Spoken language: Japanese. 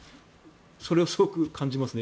それをすごく感じますね。